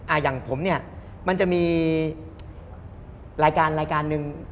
อ่าอย่างผมเนี่ยมันจะมีรายการนึง